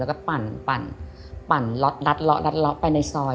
แล้วก็ปั่นปั่นปั่นล็อตล็อตล็อตล็อตล็อตไปในซอย